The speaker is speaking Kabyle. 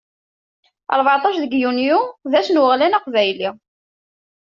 Rbeɛṭac deg yunyu, d ass n weɣlan aqbayli.